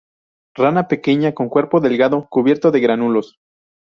Rana pequeña con cuerpo delgado cubierto de gránulos.